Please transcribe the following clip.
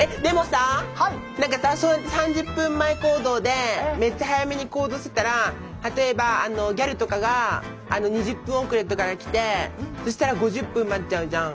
何かさそうやって３０分前行動でめっちゃ早めに行動してたら例えばギャルとかが２０分遅れとかで来てそしたら５０分待っちゃうじゃん？